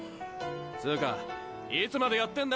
つかいつまでやってんだ？